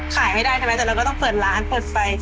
ขายไม่ได้ใช่ไหมแต่เราก็ต้องเปิดร้านเปิดไฟ